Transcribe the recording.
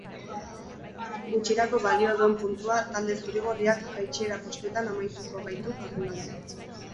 Gutxirako balio duen puntua talde zuri-gorriak jaitsiera postuetan amaituko baitu jardunaldia.